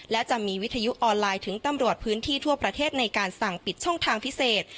และจะมีวิทยุออนไลน์ถึงตำรวจพื้นที่ทั่วประเทศในการสั่งปิดช่องทางพิเศษ